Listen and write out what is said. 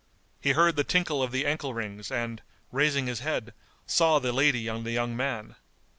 [FN#195] He heard the tinkle of the ankle rings and, raising his head, saw the lady and the young man.